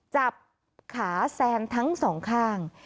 จับขาแซนทั้งสองข้าง